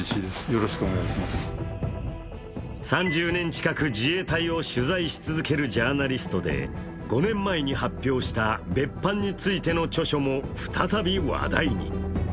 ３０年近く自衛隊を取材し続けるジャーナリストで、５年前に発表した別班についての著書も再び話題に。